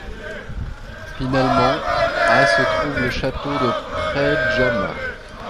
Finalement, à se trouve le château de Predjama.